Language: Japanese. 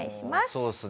そうっすね